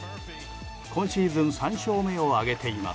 今シーズン３勝目を挙げています。